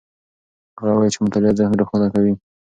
هغه وویل چې مطالعه ذهن روښانه کوي.